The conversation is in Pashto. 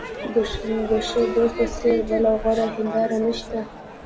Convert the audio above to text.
د ښه دوست په څېر بله غوره هنداره نشته.